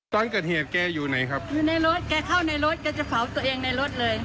ตอนเกิดเหตุแกอยู่ไหนครับอยู่ในรถแกเข้าในรถแกจะเผาตัวเองในรถเลย